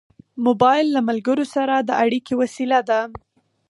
موبایل له ملګرو سره د اړیکې وسیله ده.